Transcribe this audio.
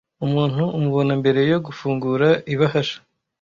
umuntu umubona mbere yo gufungura ibahasha.